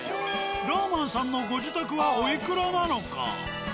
ラーマンさんのご自宅はおいくらなのか？